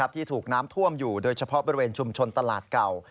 ที่ถูกน้ำท่วมอยู่โดยเฉพาะบริเวณชุมชนตลาดเก่า